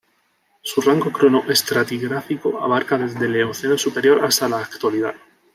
Su rango cronoestratigráfico abarca desde el Eoceno superior hasta la Actualidad.